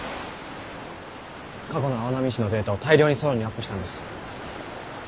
過去の青波市のデータを大量にソロンにアップしたんです。